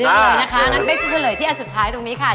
เลยนะคะงั้นเป๊กจะเฉลยที่อันสุดท้ายตรงนี้ค่ะ